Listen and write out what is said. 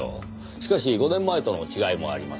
しかし５年前との違いもあります。